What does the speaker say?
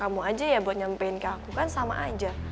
kamu aja ya buat nyampein ke aku kan sama aja